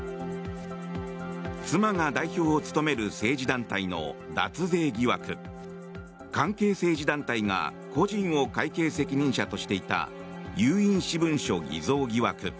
妻が代表を務める政治団体の脱税疑惑関係政治団体が故人を会計責任者としていた有印私文書偽造疑惑。